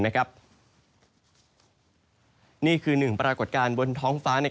นี่คือหนึ่งปรากฏการณ์บนท้องฟ้า